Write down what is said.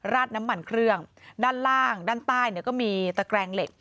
ดน้ำมันเครื่องด้านล่างด้านใต้เนี่ยก็มีตะแกรงเหล็ก